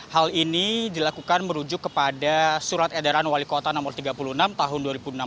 hal ini dilakukan merujuk kepada surat edaran wali kota no tiga puluh enam tahun dua ribu enam belas